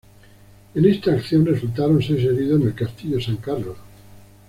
En esta acción resultaron seis heridos en el castillo San Carlos.